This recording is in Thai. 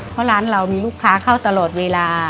เพราะร้านเรามีลูกค้าเข้าตลอดเวลา